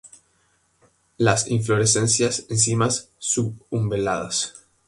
Las inflorescencias en cimas sub-umbeladas.